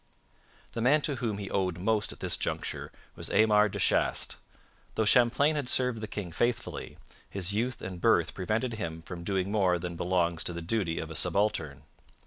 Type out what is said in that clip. The man to whom he owed most at this juncture was Aymar de Chastes. Though Champlain had served the king faithfully, his youth and birth prevented him from doing more than belongs to the duty of a subaltern.